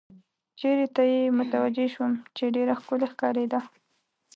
چېرې ته یې متوجه شوم، چې ډېره ښکلې ښکارېده.